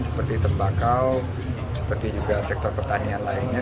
seperti tembakau seperti juga sektor pertanian lainnya